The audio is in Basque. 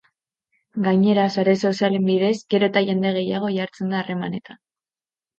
Gainera, sare sozialen bidez gero eta jende gehiago jartzen da harremanetan.